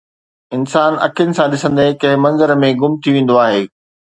انسان اکين سان ڏسندي ڪنهن منظر ۾ گم ٿي ويندو آهي